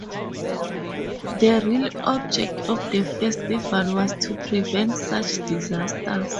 The real object of the festival was to prevent such disasters.